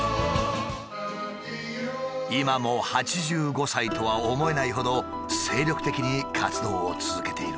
今も８５歳とは思えないほど精力的に活動を続けている。